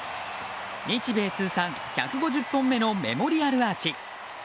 日米通算１５０本目のメモリアルアーチ。